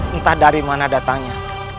entah dari mana datangnya